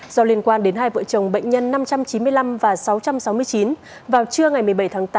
do liên quan đến hai vợ chồng bệnh nhân năm trăm chín mươi năm và sáu trăm sáu mươi chín vào trưa ngày một mươi bảy tháng tám